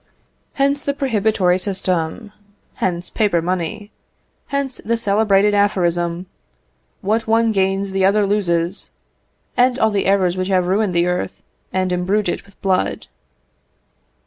Hence the prohibitory system; hence paper money; hence the celebrated aphorism, "What one gains the other loses;" and all the errors which have ruined the earth, and embrued it with blood.